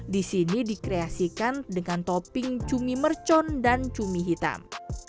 di sini dikreasikan dengan topping cumi mercon dan cumi hitam